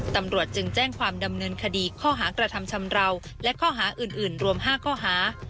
ตำรวจจึงแจ้งความดำเนินคดีข้อหากระทำชำราวและข้อหาอื่นรวม๕ข้อหา